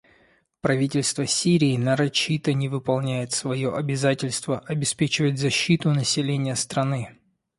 Правительство Сирии нарочито не выполняет свое обязательство обеспечивать защиту населения страны.